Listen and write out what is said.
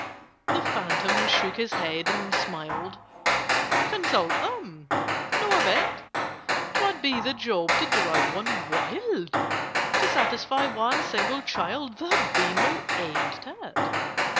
The Phantom shook his head and smiled. "Consult them? Not a bit! 'Twould be a job to drive one wild, To satisfy one single child— There'd be no end to it!"